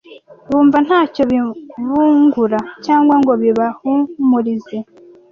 bumva nta cyo bibungura cyangwa ngo bibahumurize